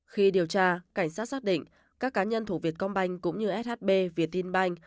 khi điều tra cảnh sát xác định các cá nhân thủ việt công banh cũng như shb việt tin banh